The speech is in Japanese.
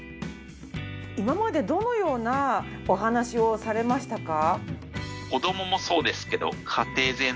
今までどのようなお話をされましたか？